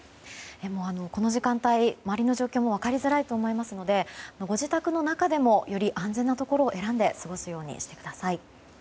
この時間帯、周りの状況も分かりづらいと思いますのでご自宅の中でもより安全なところを選んで過ごすようにしてください。